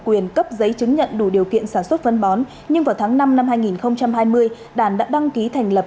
quyền cấp giấy chứng nhận đủ điều kiện sản xuất phân bón nhưng vào tháng năm năm hai nghìn hai mươi đàn đã đăng ký thành lập